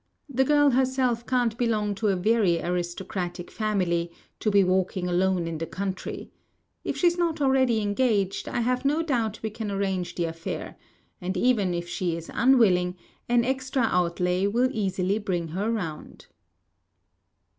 The girl herself can't belong to a very aristocratic family to be walking alone in the country. If she's not already engaged, I have no doubt we can arrange the affair; and even if she is unwilling, an extra outlay will easily bring her round.